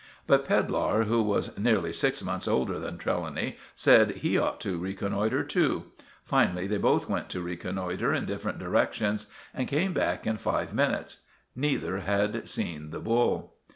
But Pedlar, who was nearly six months older than Trelawny, said he ought to reconnoitre too. Finally they both went to reconnoitre in different directions and came back in five minutes. Neither had seen the bull.